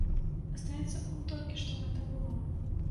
Здаецца, от толькі што гэта было.